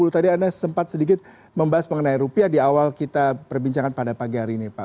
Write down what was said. tadi anda sempat sedikit membahas mengenai rupiah di awal kita perbincangan pada pagi hari ini pak